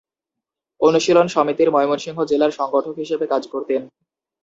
অনুশীলন সমিতির ময়মনসিংহ জেলার সংগঠক হিসেবে কাজ করতেন।